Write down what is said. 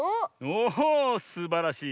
おすばらしい。